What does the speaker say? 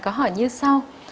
có hỏi như sau